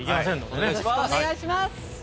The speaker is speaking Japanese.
お願いします！